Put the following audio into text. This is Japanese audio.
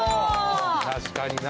確かにな。